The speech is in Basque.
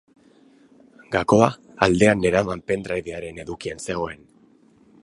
Gakoa aldean neraman pendrivearen edukian zegoen.